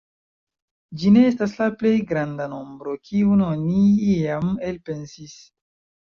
Ĝi ne estas la plej granda nombro, kiun oni iam elpensis.